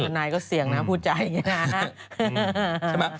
ท่านนายก็เสี่ยงนะพูดใจอย่างนี้นะ